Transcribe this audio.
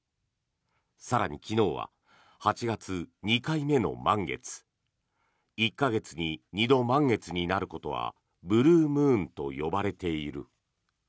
更に昨日は８月２回目の満月１か月に２度満月になることはブルームーンと呼ばれている。